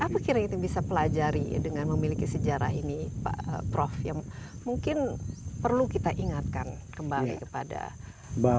apa kira kira kita bisa pelajari dengan memiliki sejarah ini pak prof yang mungkin perlu kita ingatkan kembali kepada masyarakat